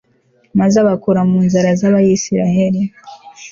maze abakura mu nzara z'abayisraheli